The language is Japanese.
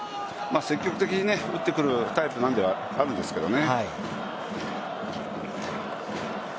積極的に打ってくるタイプではあるんですけどね。